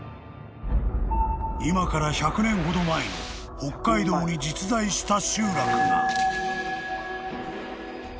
［今から１００年ほど前に北海道に実在した集落が］